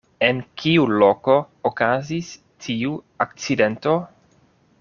En kiu loko okazis tiu akcidento?